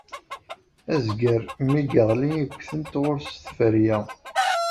Azger, mi iɣli, ggtent ɣer-s tferya.